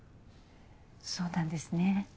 そうなんですね。